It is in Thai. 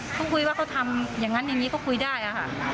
เขาคุยว่าเขาทำอย่างนั้นอย่างนี้ก็คุยได้อะค่ะ